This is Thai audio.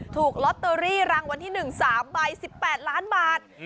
ถูกล็อตเตอรี่รังวันที่หนึ่งสามใบสิบแปดล้านบาทอืม